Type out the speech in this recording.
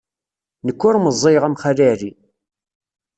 Nekk ur meẓẓiyeɣ am Xali Ɛli.